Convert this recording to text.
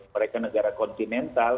mereka negara kontinental